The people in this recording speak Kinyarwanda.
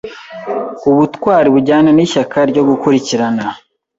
Ubutwari bujyana n’ishyaka ryo gukurikirana